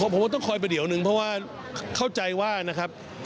ผมว่าต้องคอยประเดี๋ยวหนึ่งเพราะว่าเข้าใจว่านะครับ